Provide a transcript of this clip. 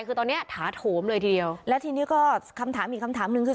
คือตอนนี้ถาโถมเลยทีเดียวและทีนี้ก็คำถามอีกคำถามหนึ่งคือ